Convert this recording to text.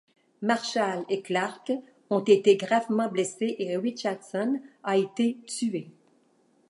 Marshall et Clarke ont été gravement blessés et Richardson a été tué.